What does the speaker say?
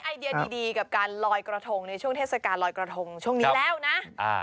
ไอเดียดีดีกับการลอยกระทงในช่วงเทศกาลลอยกระทงช่วงนี้แล้วนะอ่า